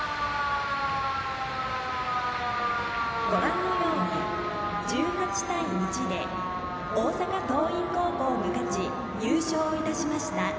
ご覧のように１８対１で大阪桐蔭高校が勝ち優勝いたしました。